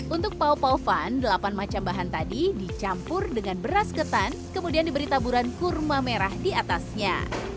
untuk pao pao phan delapan macam bahan tadi dicampur dengan beras ketan kemudian diberi taburan kurma merah diatasnya